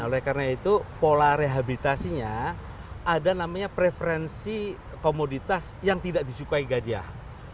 oleh karena itu pola rehabilitasinya ada namanya preferensi komoditas yang tidak disukai gajah